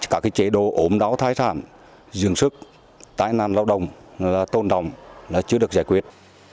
các chế độ ốm đau thai sản dường sức tai nạn lao động tôn đồng chưa được giải quyết